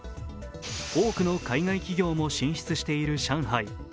多くの海外企業も進出している上海。